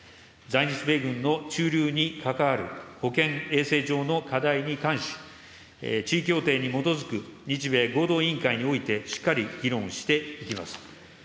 在日米軍の駐留に関わる保健衛生上の課題に関し、地位協定に基づく日米合同委員会において、しっかり議論していきます。